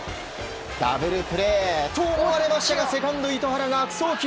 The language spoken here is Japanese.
ダブルプレーと思われましたがセカンドに糸原が悪送球！